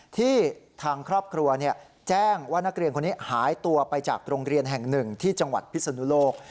ที่ทางครอบครัวแจ้งว่านักเรียนคนนี้หายตัวไปจากโรงเรียนแห่งหนึ่งที่จังหวัดพิศนุโลก